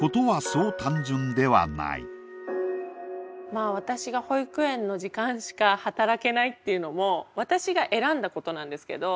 まあ私が保育園の時間しか働けないっていうのも私が選んだことなんですけど。